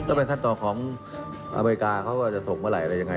ก็เป็นขั้นตอนของอเมริกาเขาว่าจะส่งเมื่อไหร่อะไรยังไง